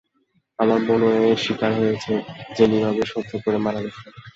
আমার বোনও এর স্বীকার হয়েছে, যে নীরবে সহ্য করে মারা গেছে।